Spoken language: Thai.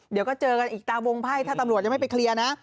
เดี๋ยวก็เจอกันอีกตามวงไพ่ถ้าตำรวจยังไม่ไปเคลียร์นะ